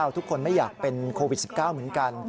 ทุกคนไม่อยากเป็นโควิด๑๙เหมือนกัน